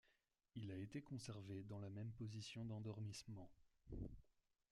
Il a été conservé dans la même position d'endormissement.